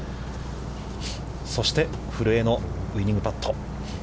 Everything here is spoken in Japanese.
そして、古江のウイニングパット。